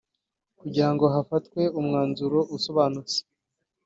kugira ngo hafatwe umwanzuro usobanutse